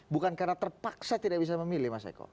bukan karena terpaksa tidak bisa memilih mas eko